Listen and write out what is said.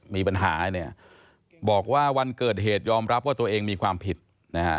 มีปัญหาเนี่ยบอกว่าวันเกิดเหตุยอมรับว่าตัวเองมีความผิดนะฮะ